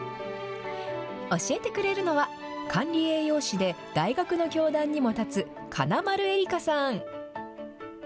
教えてくれるのは、管理栄養士で大学の教壇にも立つ、金丸絵里加さん。